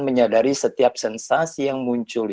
menyadari setiap sensasi yang muncul